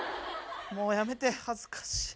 もうやめて恥ずかしい。